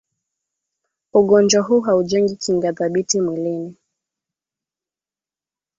ugonjwa huu haujengi kinga thabiti mwilini